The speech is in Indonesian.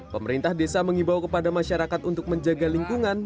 pemerintah desa mengimbau kepada masyarakat untuk menjaga lingkungan